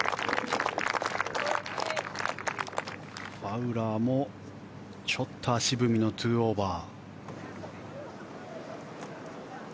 ファウラーもちょっと足踏みの２オーバー。